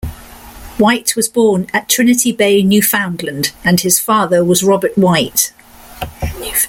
White was born at Trinity Bay, Newfoundland and his father was Robert White.